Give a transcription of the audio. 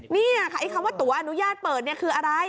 นี่คำว่าตัวอนุญาตเปิดคืออะไร